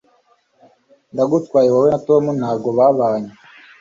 ndagutwaye wowe na tom ntabwo babanye